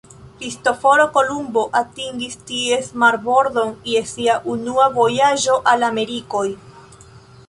Kristoforo Kolumbo atingis ties marbordon je sia unua vojaĝo al Amerikoj.